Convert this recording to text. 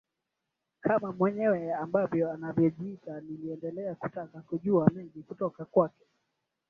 kama mwenyewe ambavyo anavyojiita niliendelea kutaka kujua mengi kutoka kwake